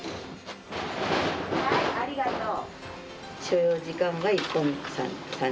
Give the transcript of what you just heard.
はいありがとう。